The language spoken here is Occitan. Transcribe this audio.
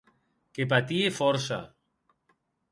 Que patie fòrça.